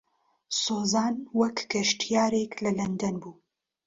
سۆزان وەک گەشتیارێک لە لەندەن بوو.